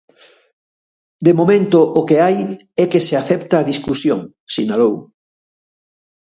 De momento o que hai é que se acepta a discusión, sinalou.